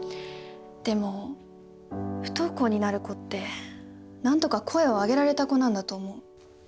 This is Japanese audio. でも不登校になる子ってなんとか声を上げられた子なんだと思う。